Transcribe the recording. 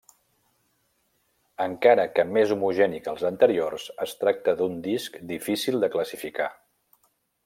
Encara que més homogeni que els anteriors, es tracta d'un disc difícil de classificar.